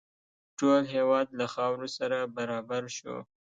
ټول هېواد له خاورو سره برابر شو.